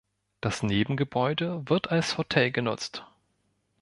Das Nebengebäude wird als Hotel genutzt.